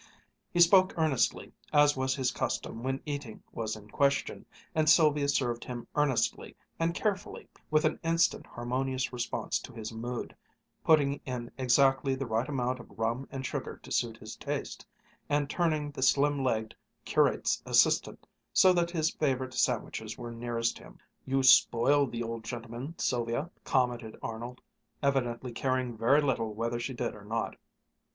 He spoke earnestly, as was his custom when eating was in question, and Sylvia served him earnestly and carefully, with an instant harmonious response to his mood, putting in exactly the right amount of rum and sugar to suit his taste, and turning the slim legged "curate's assistant" so that his favorite sandwiches were nearest him. "You spoil the old gentlemen, Sylvia," commented Arnold, evidently caring very little whether she did or not.